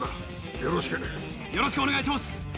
よろしくお願いします。